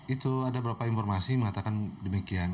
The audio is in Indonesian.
itu ada beberapa informasi mengatakan demikian